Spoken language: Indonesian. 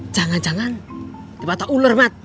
jangan jangan dibatok ular mat